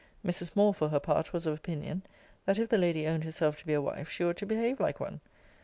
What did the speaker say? Mrs. Moore, for her part, was of opinion, that, if the lady owned herself to be a wife, she ought to behave like one.